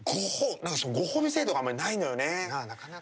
ご褒美制度があまりないのよね。